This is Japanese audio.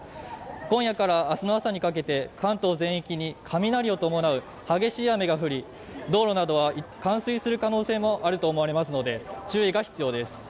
今夜から、明日の朝にかけて、関東全域に雷を伴う激しい雨が降り道路などは冠水する可能性もあると思われますので注意が必要です。